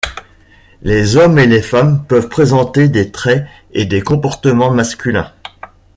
Les hommes et les femmes peuvent présenter des traits et des comportements masculins.